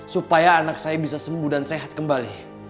supaya anak saya bisa sembuh dan sehat kembali